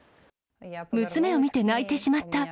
娘を見て泣いてしまった。